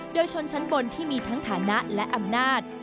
โดยชนชั้นบนที่มีทั้งฐานะและอำนาจ